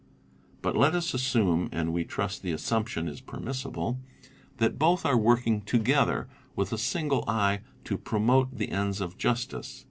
But let us assume—and we trust the assump tion is permissible—that both are working together with a single eye to promote the ends of justice.